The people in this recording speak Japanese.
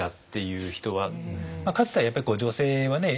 かつてはやっぱり女性はね